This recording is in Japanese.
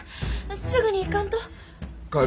すぐに行かんと！かよ